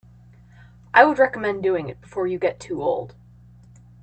I would recommend doing it before you get too old.